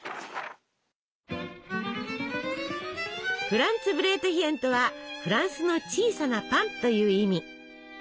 フランツブレートヒェンとはフランスの小さなパンという意味。